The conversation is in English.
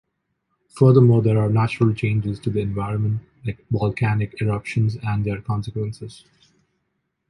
Furthermore there are natural changes to the environment like volcanic eruptions and their consequences.